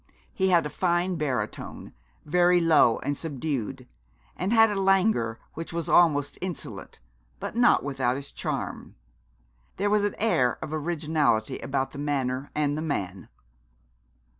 He had a fine baritone, very low and subdued, and had a languor which was almost insolent, but not without its charm. There was an air of originality about the manner and the man.